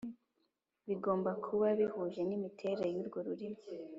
Bigomba kuba bihuje n ‘imiterere y ‘urwo rurimi .